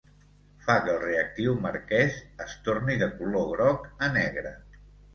Fa que el reactiu marquès es torni de color groc a negre.